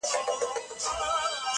ژوند که ورته غواړې وایه وسوځه!!